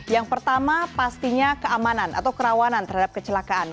yang pertama pastinya keamanan atau kerawanan terhadap kecelakaan